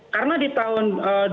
karena di tahun